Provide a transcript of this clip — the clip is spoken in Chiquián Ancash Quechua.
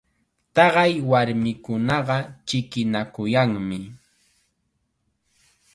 Taqay warmikunaqa chikinakuyanmi.